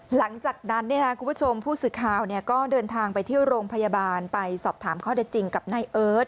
หลังจากนั้นคุณผู้ชมผู้สื่อข่าวก็เดินทางไปที่โรงพยาบาลไปสอบถามข้อได้จริงกับนายเอิร์ท